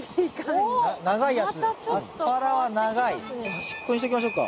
端っこにしときましょうか。